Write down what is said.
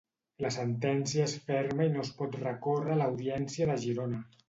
La sentència és ferma i no es pot recórrer a l'Audiència de Girona.